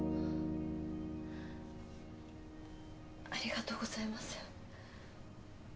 ありがとうございます。